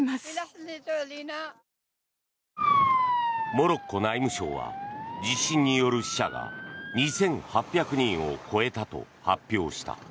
モロッコ内務省は地震による死者が２８００人を超えたと発表した。